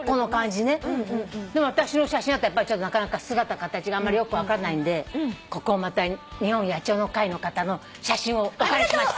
でも私の写真だったら姿形がよく分からないんでここもまた日本野鳥の会の方の写真をお借りしまして。